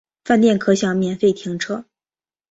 饭店可享免费停车